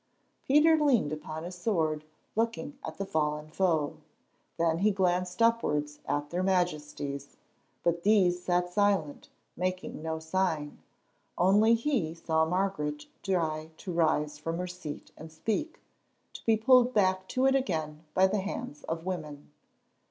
Peter leaned upon his sword, looking at the fallen foe. Then he glanced upwards at their Majesties, but these sat silent, making no sign, only he saw Margaret try to rise from her seat and speak, to be pulled back to it again by the hands of women.